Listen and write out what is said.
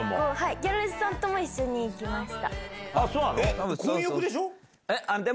ギャレスさんとも一緒に行きました。